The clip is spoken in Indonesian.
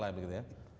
baik begitu ya